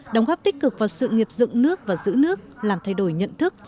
đóng góp tích cực vào sự nghiệp dựng nước và giữ nước làm thay đổi nhận thức